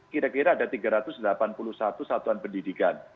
kira kira ada tiga ratus delapan puluh satu satuan pendidikan